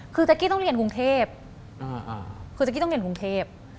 คือแก๊กกี้ต้องเรียนกรุงเทพคือแจ๊กกี้ต้องเรียนกรุงเทพ